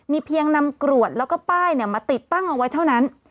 เพียงนำกรวดแล้วก็ป้ายมาติดตั้งเอาไว้เท่านั้น